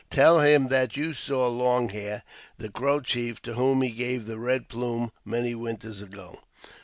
Tell him that you saw Long Hair, the Crow chief, to whom he gave the red plume many winters ago."